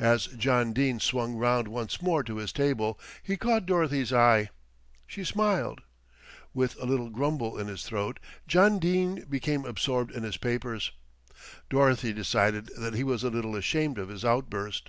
As John Dene swung round once more to his table, he caught Dorothy's eye. She smiled. With a little grumble in his throat John Dene became absorbed in his papers. Dorothy decided that he was a little ashamed of his outburst.